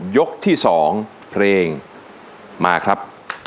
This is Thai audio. ยกที่๒เพลงมาครับ